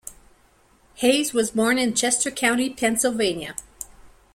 Hayes was born in Chester County, Pennsylvania.